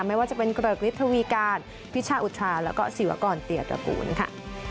ไม่ว่าจะเป็นเกริกฤทธวีการพิชาอุทชาแล้วก็ศิวากรเตียตระกูลค่ะ